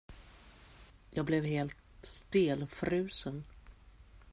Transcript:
Jag blev helt stelfrusen.